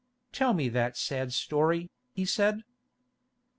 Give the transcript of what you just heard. "Tell me that sad story," he said.